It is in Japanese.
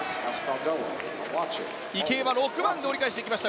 池江は６番で折り返していきました